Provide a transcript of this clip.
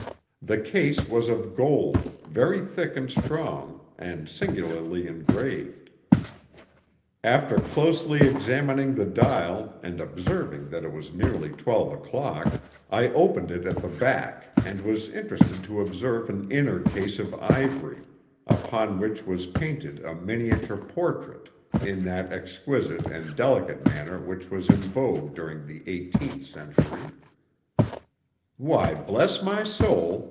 The case was of gold, very thick and strong, and singularly engraved. After closely examining the dial and observing that it was nearly twelve o'clock, I opened it at the back and was interested to observe an inner case of ivory, upon which was painted a miniature portrait in that exquisite and delicate manner which was in vogue during the eighteenth century. "Why, bless my soul!"